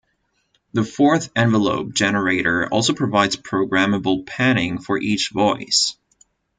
The fourth envelope generator also provides programmable panning for each voice.